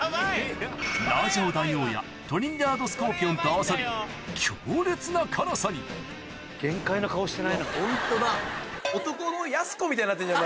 ラージャオ大王やトリニダード・スコーピオンと合わさり強烈な辛さにみたいになってんじゃん